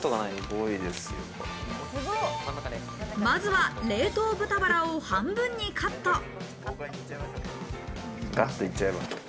まずは、冷凍豚バラを半分にカット。